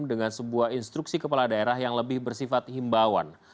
dengan sebuah instruksi kepala daerah yang lebih bersifat himbauan